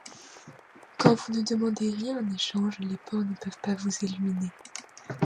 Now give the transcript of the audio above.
Quand vous ne demandez rien en échange, les porcs ne peuvent pas vous éliminer.